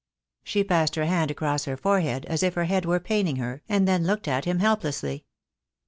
She passed her hand across her forehead, as if her head were paining her, and then looked at him helplessly.